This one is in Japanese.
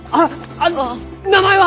あ名前は！？